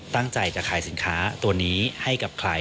ตั้งใจจะขายสินค้าตัวนี้ให้กับใคร